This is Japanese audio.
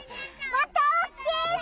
また大きいの！